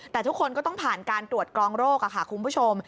แต่ทุกคนก็ต้องผ่านการตรวจกรองโรคค่ะคุณผู้ชม